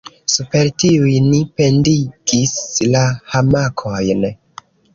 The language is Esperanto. Super tiuj ni pendigis la hamakojn.